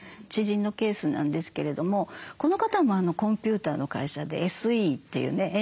知人のケースなんですけれどもこの方もコンピューターの会社でＳＥっていうね